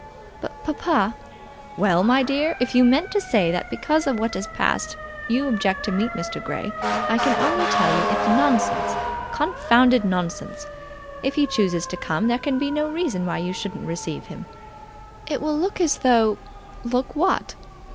"But, papa " "Well, my dear! If you mean to say that because of what has passed you object to meet Mr. Grey, I can only tell you it's nonsense, confounded nonsense. If he chooses to come there can be no reason why you shouldn't receive him." "It will look as though " "Look what?"